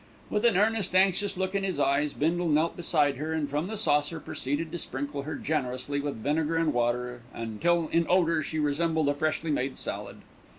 With an earnest, anxious look in his eyes, Bindle knelt beside her and from the saucer proceeded to sprinkle her generously with vinegar and water, until in odour she resembled a freshly made salad.